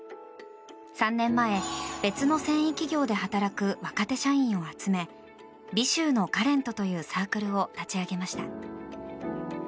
３年前、別の繊維企業で働く若手社員を集め尾州のカレントというサークルを立ち上げました。